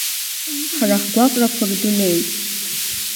Ҳара ҳгәаҟрақәа рдунеи?